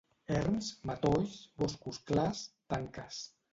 Erms, matolls, boscos clars, tanques.